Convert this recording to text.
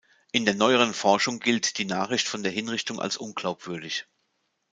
In der neueren Forschung gilt die Nachricht von der Hinrichtung als unglaubwürdig.